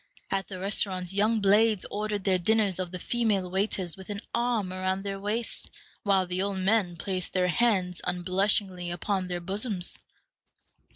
At the restaurants young blades order their dinners of the female waiters with an arm around their waists, while the old men place their hands unblushingly upon their bosoms.